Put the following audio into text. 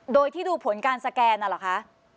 โดยที่ดูผลการสแกนน่ะเหรอคะ